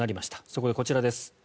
そこでこちらです。